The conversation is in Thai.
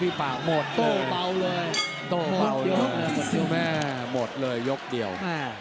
พี่ปากหมดเลยโตเปล่าเลยหมดเลยโตเปล่าเลยจริงแม่หมดเลยยกเดียว